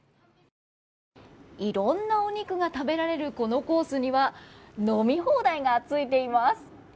いろんなお肉が食べられるこのコースには飲み放題がついています。